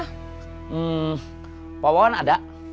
hmm pak wawan ada